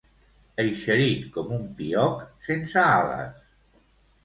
Eixerit com un pioc sense ales.